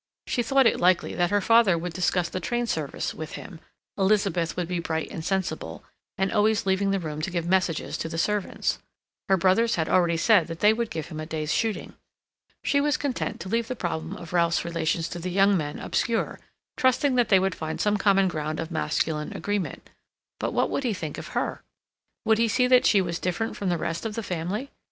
She thought it likely that her father would discuss the train service with him; Elizabeth would be bright and sensible, and always leaving the room to give messages to the servants. Her brothers had already said that they would give him a day's shooting. She was content to leave the problem of Ralph's relations to the young men obscure, trusting that they would find some common ground of masculine agreement. But what would he think of her? Would he see that she was different from the rest of the family?